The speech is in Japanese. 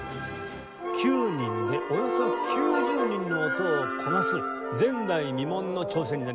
９人でおよそ９０人の音をこなす前代未聞の挑戦になります。